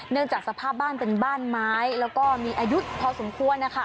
จากสภาพบ้านเป็นบ้านไม้แล้วก็มีอายุพอสมควรนะคะ